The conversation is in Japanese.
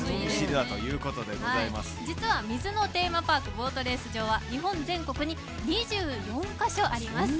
実は水のテーマパークボートレース場は日本全国に２４か所あります。